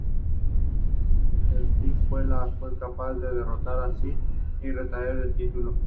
El Sting real fue capaz de derrotar a Sid y retener el título.